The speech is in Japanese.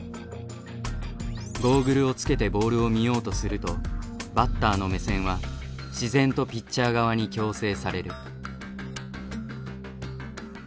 ゴーグルをつけてボールを見ようとするとバッターの目線は自然とピッチャー側に矯正される。